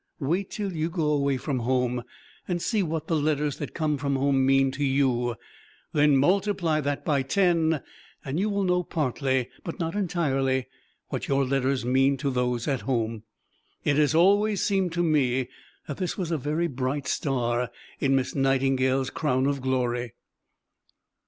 Wait till you go away from home, and see what the letters that come from home mean to you; then multiply that by ten, and you will know partly, but not entirely, what your letters mean to those at home. It has always seemed to me that this was a very bright star in Miss Nightingale's crown of glory.